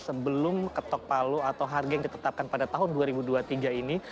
sebelum ketok palu atau harga yang ditetapkan pada tahun dua ribu dua puluh tiga ini